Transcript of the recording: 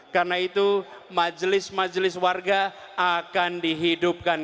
karena itu majelis majelis warga akan dihidupkan